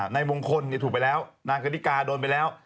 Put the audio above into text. นายมงคลถูกไปแล้วนางกณิกาโดนไปแล้ว